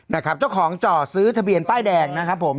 นะครับเจ้าของจ่อซื้อทะเบียนป้ายแดงนะครับผม